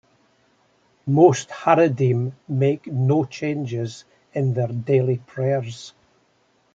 Most Haredim make no changes in their daily prayers.